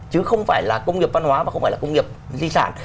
chứ không phải là công nghiệp văn hóa mà không phải là công nghiệp di sản